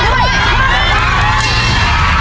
ใจมากเร็ว